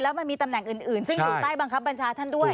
แล้วมันมีตำแหน่งอื่นซึ่งอยู่ใต้บังคับบัญชาท่านด้วย